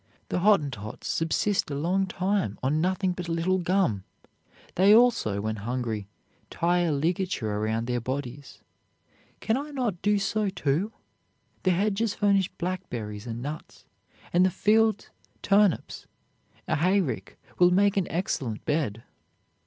The Hottentots subsist a long time on nothing but a little gum; they also, when hungry, tie a ligature around their bodies. Cannot I do so, too? The hedges furnish blackberries and nuts, and the fields, turnips; a hayrick will make an excellent bed."